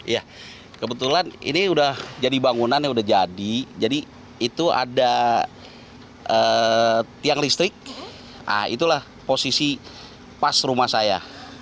ya kebetulan ini udah jadi bangunan ya udah jadi jadi itu ada tiang listrik nah itulah posisi pas rumah saya